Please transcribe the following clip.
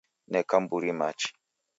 Neka mburi machi